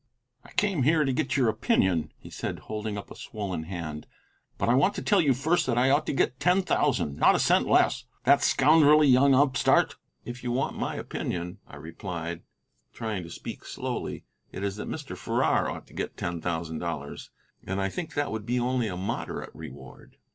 "I came here to get your opinion," he said, holding up a swollen hand, "but I want to tell you first that I ought to get ten thousand, not a cent less. That scoundrelly young upstart " "If you want my opinion," I replied, trying to speak slowly, "it is that Mr. Farrar ought to get ten thousand dollars. And I think that would be only a moderate reward."